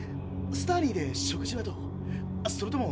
スターリーで食事はどう？